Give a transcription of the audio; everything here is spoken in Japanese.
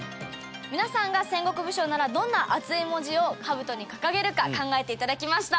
皆さんが戦国武将ならどんな熱い文字を兜に掲げるか考えて頂きました。